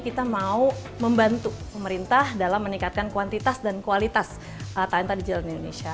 kita mau membantu pemerintah dalam meningkatkan kuantitas dan kualitas talenta digital di indonesia